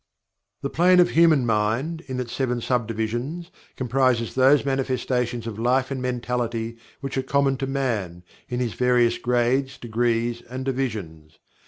The Plane of Human Mind, in its seven sub divisions, comprises those manifestations of life and mentality which are common to Man, in his various grades, degrees, and divisions.